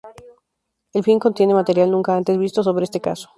El film contiene material nunca antes visto sobre este caso.